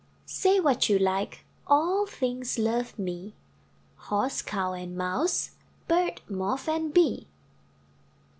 Say what you like, All things love me! Horse, Cow, and Mouse, Bird, Moth and Bee.